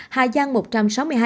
hà giang một trăm sáu mươi hai ca